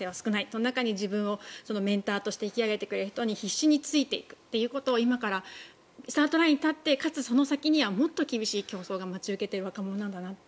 その中に自分をメンターとして引き上げてくれる人に必死についていくということを今からスタートラインに立ってかつその先にはもっと厳しい競争が待ち受けている若者なんだなって。